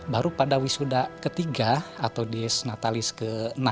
baru pada wisuda ketiga atau di senatalis ke enam